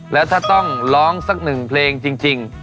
แล้วถ้าต้องร้องสักหนึ่งเพลงจริง